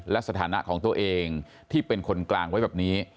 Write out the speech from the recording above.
และสถานะของตัวเองที่เป็นคนกลางไว้แบบนี้